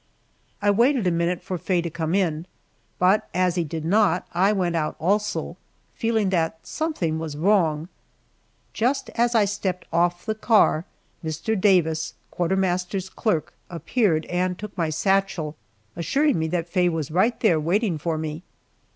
I waited a minute for Faye to come in, but as he did not I went out also, feeling that something was wrong. Just as I stepped off the car, Mr. Davis, quartermaster's clerk, appeared and took my satchel, assuring me that Faye was right there waiting for me.